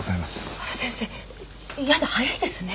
あら先生やだ早いですね？